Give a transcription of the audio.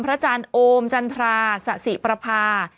อาจารย์โอมจันทราสะสิประพา